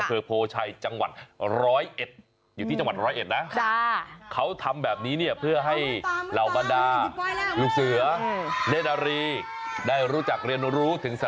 คืออะไรค่ะแล้วค่อยตัดสินใจจะทำสิ่งอะไรต่อไปอืม